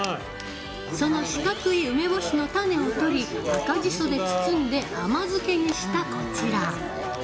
その四角い梅干しの種を取り赤じそで包んで甘漬けにしたこちら。